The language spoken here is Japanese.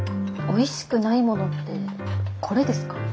おいしくないものってこれですか？